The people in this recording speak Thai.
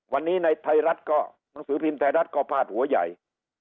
วันนี้ในสือพิมพ์ไทยรัฐก็พาดหัวใหญ่